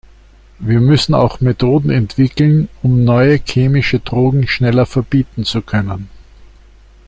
Wir müssen auch Methoden entwickeln, um neue chemische Drogen schneller verbieten zu können.